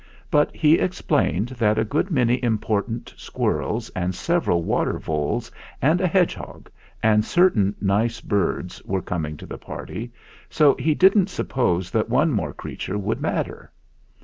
But he explained that a good many important squirrels and several water voles and a hedge hog and certain nice birds were coming to the party, so he didn't suppose that one more crea ture would matter.